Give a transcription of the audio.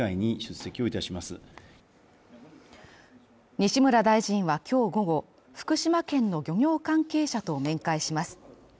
西村大臣は今日午後、福島県の漁業関係者と面会します。